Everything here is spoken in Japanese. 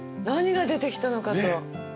何が出てきたのかと。